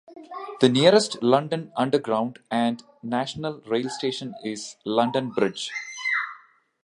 The nearest London Underground and National Rail station is London Bridge.